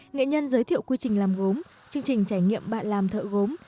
nghệ nhân giới thiệu quy trình làm gốm chương trình trải nghiệm bạn làm thợ gốm